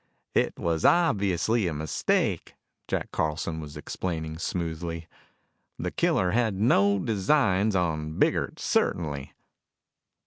"It was obviously a mistake," Jack Carlson was explaining smoothly. "The killer had no designs on Biggert, certainly."